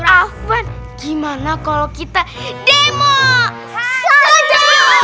apaan gimana kalau kita demo saja